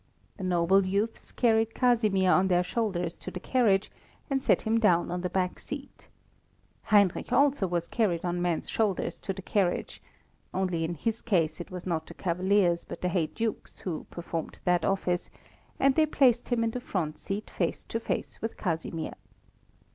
The noble youths carried Casimir on their shoulders to the carriage, and set him down on the back seat. Heinrich also was carried on men's shoulders to the carriage only in his case it was not the cavaliers, but the heydukes who performed that office, and they placed him in the front seat face to face with Casimir.